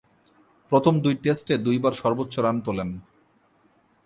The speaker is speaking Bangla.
প্রথম দুই টেস্টে দুইবার সর্বোচ্চ রান তুলেন।